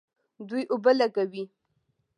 دوی اوبه لګولې.